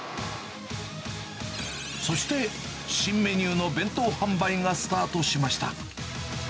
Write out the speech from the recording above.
そして、新メニューの弁当販売がスタートしました。